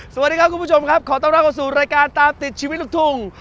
สวัสดีครับคุณผู้ชมครับขอต้อนรับเข้าสู่รายการตามติดชีวิตลูกทุ่ง